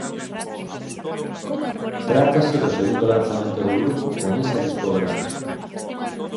Trátase do segundo lanzamento do grupo con esa discográfica.